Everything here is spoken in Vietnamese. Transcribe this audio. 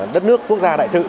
đất nước quốc gia đại sự